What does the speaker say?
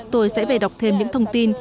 tôi sẽ về đọc thêm những thông tin